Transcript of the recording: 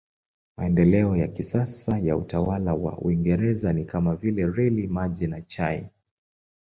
Maendeleo ya kisasa ya utawala wa Uingereza ni kama vile reli, maji na chai.